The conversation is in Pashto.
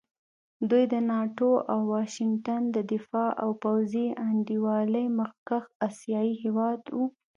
دوی د ناټو او واشنګټن د دفاعي او پوځي انډیوالۍ مخکښ اسیایي هېواد وو.